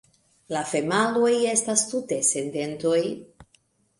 La femaloj estas tute sen dentoj.